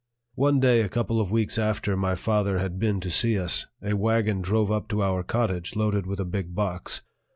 One day a couple of weeks after my father had been to see us, a wagon drove up to our cottage loaded with a big box.